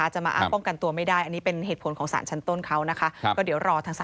จะมาอ้างป้องกันตัวไม่ได้